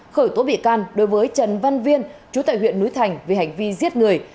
khởi tố bị can đối với trần văn viên chú tại huyện núi thành vì hành vi giết người